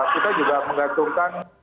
kita juga menggantungkan